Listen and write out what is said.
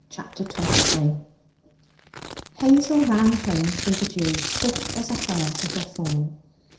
Chapter 23 Hazel ran home through the dew, swift as a hare to her form.